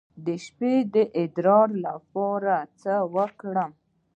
د شپې د ادرار لپاره باید څه وکړم؟